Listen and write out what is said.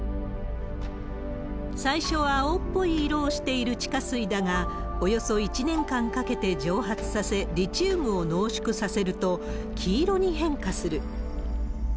最初は青っぽい色をしている地下水だが、およそ１年間かけて蒸発させ、リチウムを濃縮させると黄色に変化する。